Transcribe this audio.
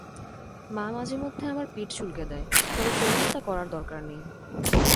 মা মাঝেমধ্যে আমার পিঠ চুলকে দেয়, তবে তোমার তা করার দরকার নেই।